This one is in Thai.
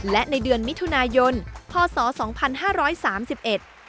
และในเดือนมิถุนายนพศ๒๕๓๑